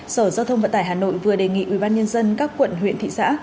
sở giao thông vận tải hà nội vừa đề nghị ubnd các quận huyện thị xã